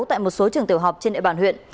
tại một số trường tiểu học trên địa bàn huyện